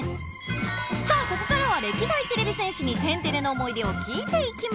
さあここからは歴代てれび戦士に「天てれ」の思い出を聞いていきましょう！